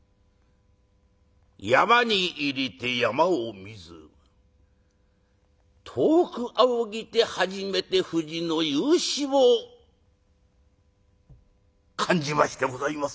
「山に入りて山を見ず遠く仰ぎて初めて富士の雄姿を感じましてございます。